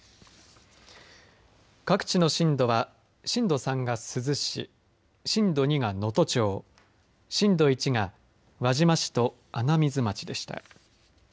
各地の震度は震度３が珠洲市震度２は能登町震度１が輪島市と穴水町でした。